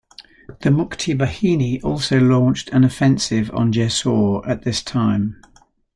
The Mukti Bahini also launched an offensive on Jessore at this time.